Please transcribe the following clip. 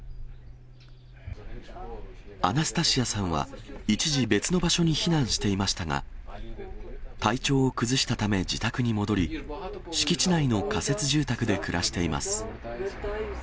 アナスタシアさんは、一時、別の場所に避難していましたが、体調を崩したため、自宅に戻り、敷地内の仮設住宅で暮らしています。